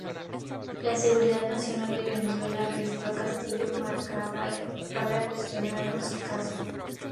La Seguridad Nacional de Venezuela arrestó a Castillo en Maracaibo para cuestionamientos del caso.